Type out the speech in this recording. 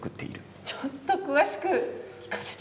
ちょっと詳しく聞かせて頂けますか？